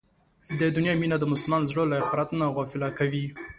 د دنیا مینه د مسلمان زړه له اخرت نه غافله کوي.